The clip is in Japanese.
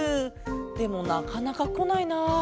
でもなかなかこないな。